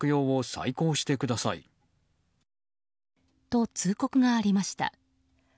と、通告がありました。